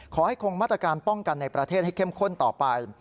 ขอให้คงมาตรการป้องกันในประเทศให้เข้มข้นต่อไป